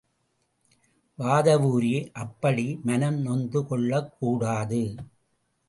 வாதவூரே, அப்படி மனம் நொந்து கொள்ளக் கூடாது.